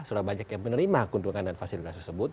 surabaya yang menerima keuntungan dan fasilitas tersebut